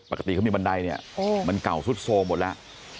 ปกติเขามีบันไดเนี่ยมันเก่าสุดโทรมหมดแล้ว